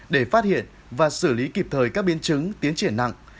để phát hiện và xử lý kịp thời các biến chứng tiến triển nặng